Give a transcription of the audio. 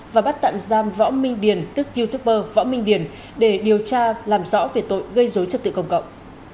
và bắt tạm giam võ minh điền tức youtuber võ minh điền để điều tra làm rõ về tội gây dối trật tự công cộng